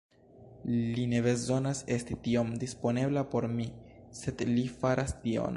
Li ne bezonas esti tiom disponebla por mi, sed li faras tion.